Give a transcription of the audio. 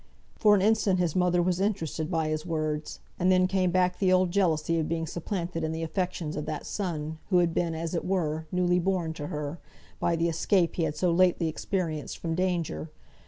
For an instant his mother was interested by his words; and then came back the old jealousy of being supplanted in the affections of that son, who had been, as it were, newly born to her, by the escape he had so lately experienced from danger.